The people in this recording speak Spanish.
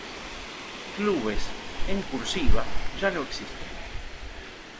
Clubes en "cursiva" ya no existen.